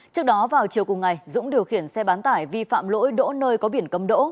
trước đó vào chiều cùng ngày dũng điều khiển xe bán tải vi phạm lỗi đỗ nơi có biển cấm đỗ